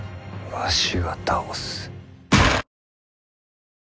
わしが倒す。